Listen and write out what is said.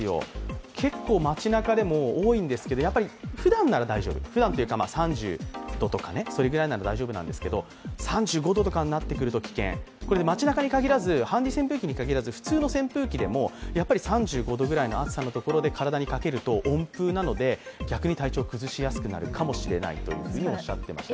街なかでも多いんですけども、ふだんなら大丈夫、３０度くらい、それぐらいなら大丈夫なんですけど、３５度とかになってくると危険、街なかにかぎらず、ハンディ扇風機にかぎらず普通の扇風機でも３５度くらいの暑さの中で体にかけると温風なので、逆に体調を崩しやすくなるかもしれないとおっしゃっていました。